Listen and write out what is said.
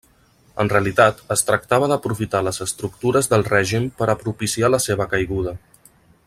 En realitat es tractava d'aprofitar les estructures del règim per a propiciar la seva caiguda.